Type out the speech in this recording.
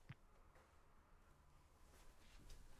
Adabiyot o`qituvchimiz esa mehmonlar bilan tanishtira boshladi